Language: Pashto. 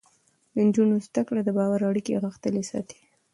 د نجونو زده کړه د باور اړیکې غښتلې ساتي.